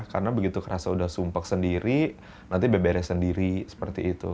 karena begitu kerasa udah sumpuk sendiri nanti beberes sendiri seperti itu